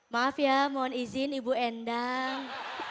maaf ya mohon izin ibu endang